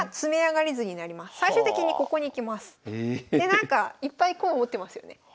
なんかいっぱい駒持ってますよね。